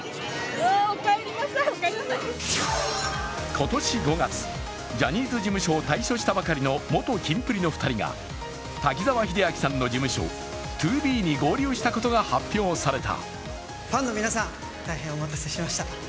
今年５月、ジャニーズ事務所を退所したばかりの元キンプリの２人が滝沢秀明さんの事務所、ＴＯＢＥに合流したことが発表された。